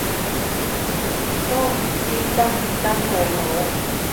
都唔知跟唔跟去好